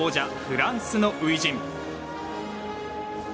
フランスの初陣。